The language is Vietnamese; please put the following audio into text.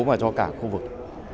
mà cho cả khu vực